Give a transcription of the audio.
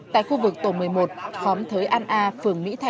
tại khu vực tổ một mươi một khóm thới an a phường mỹ thạnh